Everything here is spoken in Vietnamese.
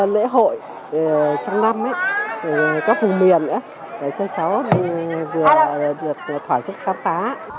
để cho cháu vừa thỏa sức khám phá